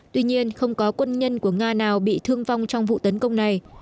tuy nhiên không có quân nhân của nga nào bị thương vong trong vụ tấn công này